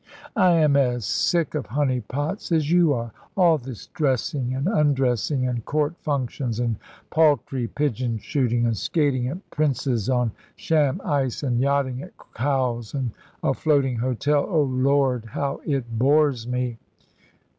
"I am as sick of honey pots as you are. All this dressing and undressing, and court functions, and paltry pigeon shooting, and skating at Prince's on sham ice, and yachting at Cowes in a floating hotel oh, Lord, how it bores me!"